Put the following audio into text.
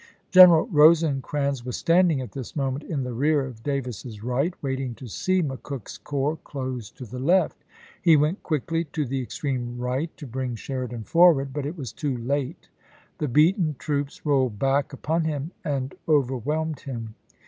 General Rosecrans was standing at this moment 96 ABEAHAM LINCOLN Sept. 20, in the rear of Davis's right, waiting to see Mc Cook's corps close to the left. He went quickly to the extreme right to bring Sheridan forward, but it was too late ; the beaten troops rolled back upon him and overwhelmed him.